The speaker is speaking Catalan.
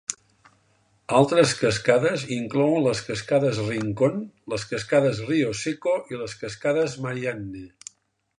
Altres cascades inclouen les Cascades Rincon, les Cascades Rio Seco i les Cascades Marianne.